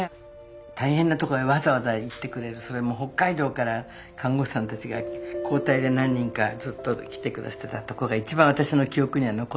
大変なとこへわざわざ行ってくれるそれも北海道から看護師さんたちが交代で何人かずっと来て下さってたとこが一番私の記憶には残ってるもんで。